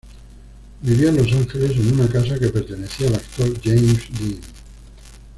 Vivía en Los Ángeles en una casa que perteneció al actor James Dean.